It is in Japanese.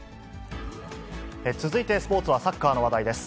続いて、スポーツはサッカーの話題です。